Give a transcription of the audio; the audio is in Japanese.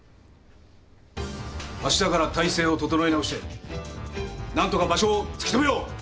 あしたから体制を整え直して何とか場所を突き止めよう！